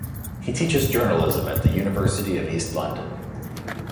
He teaches journalism at the University of East London.